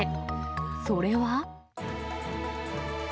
それは。